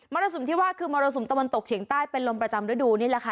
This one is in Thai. รสุมที่ว่าคือมรสุมตะวันตกเฉียงใต้เป็นลมประจำฤดูนี่แหละค่ะ